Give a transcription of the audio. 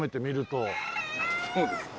そうですね。